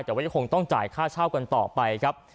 แต่ว่ายังคงต้องจ่ายค่าเช่ากันต่อไปครับ